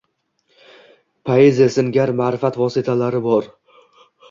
Poeziya singari ma’rifat vositalari bor.